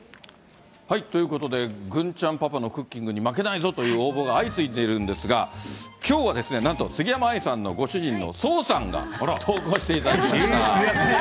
ということで、郡ちゃんパパのクッキングに負けないぞという応募が相次いでいるんですが、きょうはですね、なんと杉山愛さんのご主人の走さんが投稿していただきました。